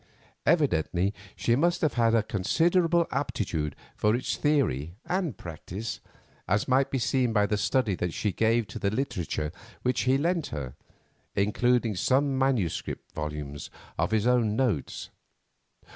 Evidently she must have had a considerable aptitude for its theory and practice, as might be seen by the study that she gave to the literature which he lent her, including some manuscript volumes of his own notes.